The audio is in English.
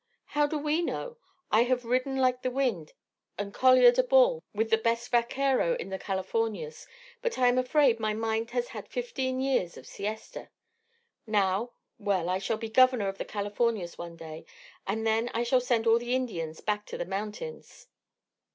How do we know? I have ridden like the wind, and coliared a bull with the best vaquero in the Californias, but I am afraid my mind has had fifteen years of siesta. Now well, I shall be governor of the Californias one day, and then I shall send all the Indians back to the mountains."